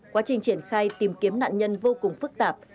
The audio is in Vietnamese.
quá trình triển khai tìm kiếm nạn nhân vô cùng phức tạp